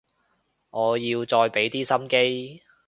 我要再畀啲心機